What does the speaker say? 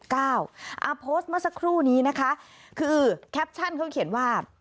เอาโพสต์เมื่อสักครู่นี้นะคะคือแคปชั่นเขาเขียนว่า